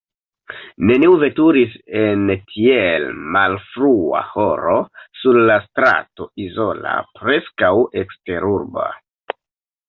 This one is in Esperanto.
Neniu veturis en tiel malfrua horo sur la strato izola, preskaŭ eksterurba.